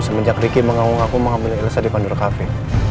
semenjak ricky menganggung aku mengambil elsa di kondor cafe